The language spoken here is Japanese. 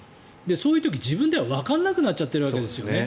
そういう時、自分ではわからなくなっちゃってるわけですね。